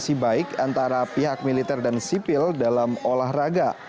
komunikasi baik antara pihak militer dan sipil dalam olahraga